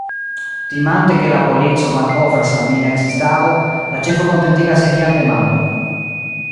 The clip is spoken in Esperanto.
Timante ke la polico malkovras la mina ekzistado, la ĉefo kontentigas ilian demandon.